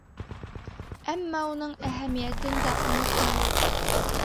Әммә уның әһәмиәтен дә онотмайыҡ.